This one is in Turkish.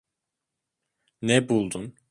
Ne buldun?